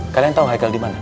kalian tahu haikal dimana